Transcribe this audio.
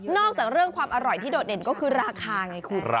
จากเรื่องความอร่อยที่โดดเด่นก็คือราคาไงคุณ